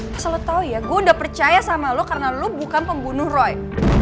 lo tau ya gue udah percaya sama lo karena lu bukan pembunuh roy